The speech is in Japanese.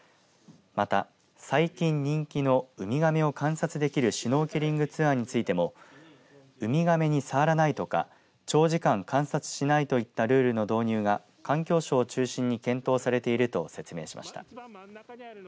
また、最近人気のウミガメを観察できるシュノーケリングツアーについてもウミガメに触らないとか長時間観察しないといったルールの導入が環境省を中心に検討されていると説明しました。